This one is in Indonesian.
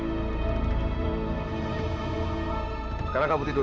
sekarang kamu tidur